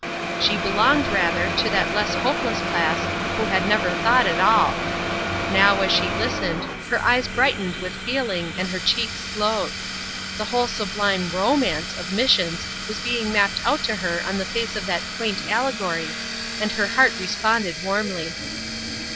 She belonged, rather, to that less hopeless class who had never thought at all. Now, as she listened, her eyes brightened with feeling and her cheeks glowed. The whole sublime romance of Missions was being mapped out to her on the face of that quaint allegory, and her heart responded warmly.